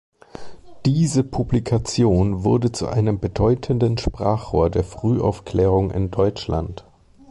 Diese Publikation wurde zu einem bedeutenden Sprachrohr der Frühaufklärung in Deutschland.